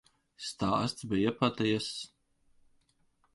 Stāsts bija patiess.